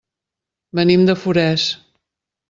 Venim de Forès.